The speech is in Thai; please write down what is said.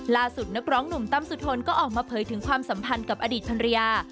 นักร้องหนุ่มตั้มสุทนก็ออกมาเผยถึงความสัมพันธ์กับอดีตภรรยา